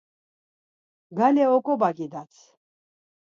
gale oǩobaǩidat.